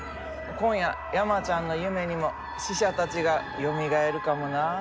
今夜山ちゃんの夢にも死者たちがよみがえるかもなあ。